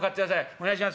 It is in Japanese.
お願いします